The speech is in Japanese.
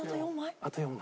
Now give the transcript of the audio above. あと４枚。